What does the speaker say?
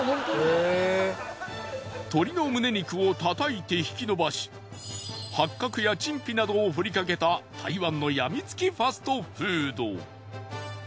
鳥のむね肉をたたいて引き伸ばし八角や陳皮などを振りかけた台湾のやみつきファストフード。